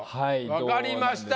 分かりました。